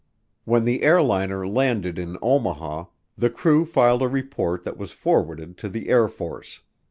When the airliner landed in Omaha, the crew filed a report that was forwarded to the Air Force.